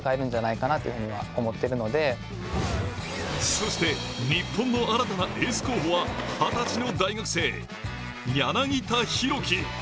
そして日本の新たなエース候補は二十歳の大学生、柳田大輝。